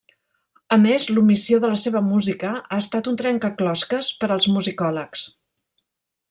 A més, l'omissió de la seva música ha estat un trencaclosques per als musicòlegs.